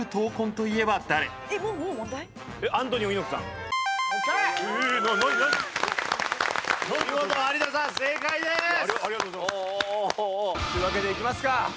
というわけでいきますか！